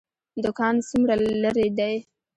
دکان څومره لرې دی؟